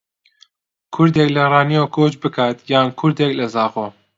کوردێک لە ڕانیەوە کۆچ بکات یان کوردێک لە زاخۆ